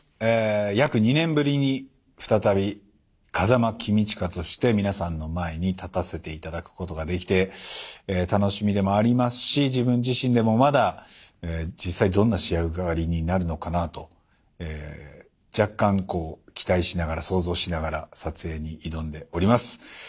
約２年ぶりに再び風間公親として皆さんの前に立たせていただくことができて楽しみでもありますし自分自身でもまだ実際どんな仕上がりになるのかなと若干こう期待しながら想像しながら撮影に挑んでおります。